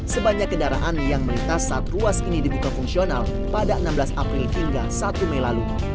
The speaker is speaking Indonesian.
sebanyak kendaraan yang melintas saat ruas ini dibuka fungsional pada enam belas april hingga satu mei lalu